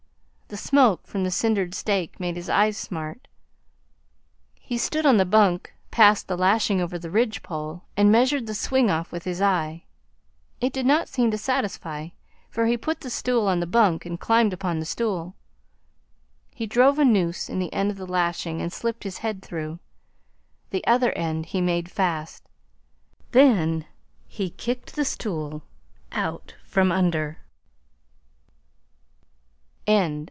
The smoke from the cindered steak made his eyes smart. He stood on the bunk, passed the lashing over the ridge pole, and measured the swing off with his eye. It did not seem to satisfy, for he put the stool on the bunk and climbed upon the stool. He drove a noose in the end of the lashing and slipped his head through. The other end he made fast. Then he kicked the stool out from under.